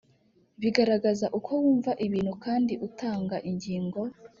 bigaragaza uko wumva ibintu kandi utanga ingingo